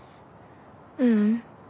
ううん。